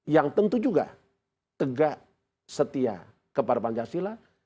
yang tentu juga tegak setia kepada pancasila